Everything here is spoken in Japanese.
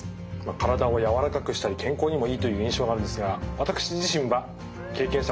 体をやわらかくしたり健康にもいいという印象があるんですが私自身は経験したことがありません。